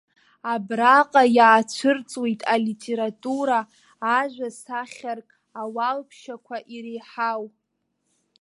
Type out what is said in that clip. Абраҟа иаацәырҵуеит алитература, ажәа сахьарк ауалԥшьақәа иреиҳау.